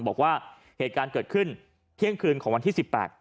บอกว่าเหตุการณ์เกิดขึ้นเที่ยงคืนของวันที่๑๘